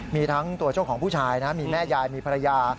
มีทั้งตัวเจ้าของผู้ชายนะมีแม่ยายมีภรรยา